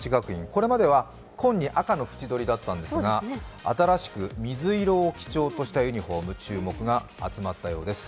これまでは紺に赤の縁取りだったんですが新しく水色を基調としたユニフォーム、注目が集まったようです。